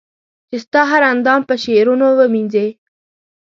چي ستا هر اندام په شعرونو و مېنځنې